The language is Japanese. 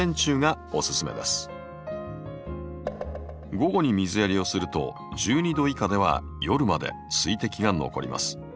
午後に水やりをすると１２℃以下では夜まで水滴が残ります。